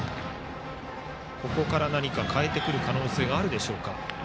ここから何か変えてくる可能性があるでしょうか。